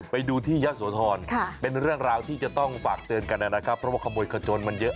ไปดูที่ยะโสธรเป็นเรื่องราวที่จะต้องฝากเตือนกันนะครับเพราะว่าขโมยขจนมันเยอะ